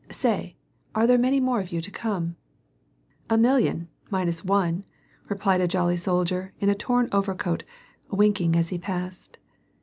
'^ Say ! are there many more of you to come ?" "A million, minus one," replied a jolly soldier in a torn overcoat, winkmg as he passed.